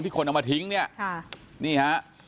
ที่คนเอามาทิ้งเนี่ย